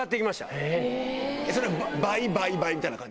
それは倍倍倍みたいな感じ？